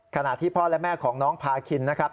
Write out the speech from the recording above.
ขณะที่พ่อและแม่ของน้องพาคินนะครับ